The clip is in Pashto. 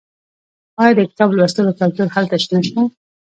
آیا د کتاب لوستلو کلتور هلته نشته؟